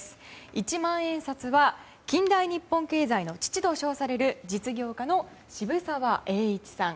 一万円札は近代日本経済の父と称される実業家の渋沢栄一さん。